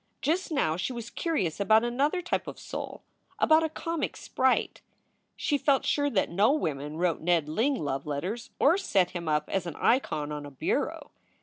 Just now she was curious about another type of soul, about a comic sprite. She felt sure that no women wrote Ned Ling love letters or set him up as an icon on a bureau.